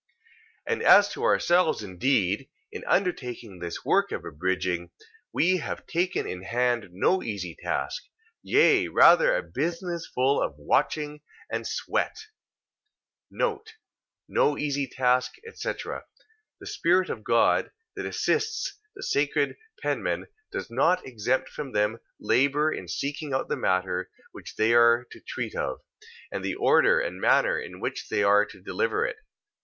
2:27. And as to ourselves indeed, in undertaking this work of abridging, we have taken in hand no easy task; yea, rather a business full of watching and sweat. No easy task, etc... The spirit of God, that assists the sacred penmen, does not exempt them from labour in seeking out the matter which they are to treat of, and the order and manner in which they are to deliver it.